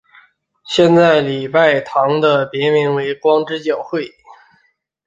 现在礼拜堂的别名是光之教会。